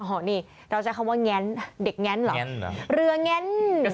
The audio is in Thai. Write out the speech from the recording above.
อันนี้เราจะคำว่าเง้นเด็กเง้นเหรอเง้นหรอเรือเง้น